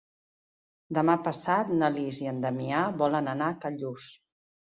Demà passat na Lis i en Damià volen anar a Callús.